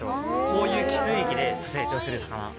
こういう汽水域で成長する魚。